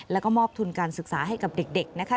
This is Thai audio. แล้วก็มอบทุนการศึกษาให้กับเด็กนะคะ